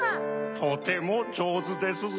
とてもじょうずですぞ。